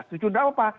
setuju enggak apa apa